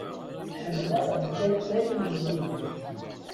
Ḥemmeleɣ llatay n llim.